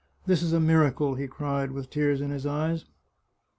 " This is a miracle," he cried, with tears in his eyes.